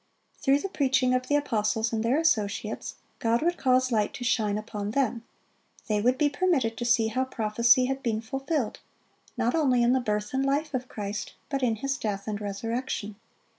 Through the preaching of the apostles and their associates, God would cause light to shine upon them; they would be permitted to see how prophecy had been fulfilled, not only in the birth and life of Christ, but in His death and resurrection.